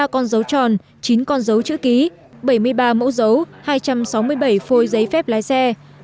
ba con dấu tròn chín con dấu chữ ký bảy mươi ba mẫu dấu hai trăm sáu mươi bảy phôi giấy phép lái xe